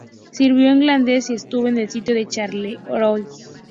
Sirvió en Flandes y estuvo en el sitio de Charleroi.